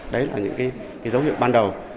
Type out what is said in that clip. đấy là những cái dấu hiệu ban đầu